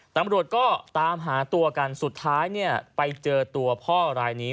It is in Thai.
ตำรวจก็ตามหาตัวกันสุดท้ายเนี่ยไปเจอตัวพ่อรายนี้